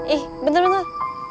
eh bentar bentar